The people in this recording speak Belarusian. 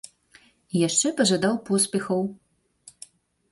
І яшчэ пажадаў поспехаў.